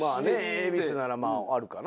恵比寿ならまぁあるかな。